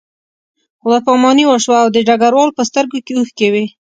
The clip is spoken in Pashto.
خدای پاماني وشوه او د ډګروال په سترګو کې اوښکې وې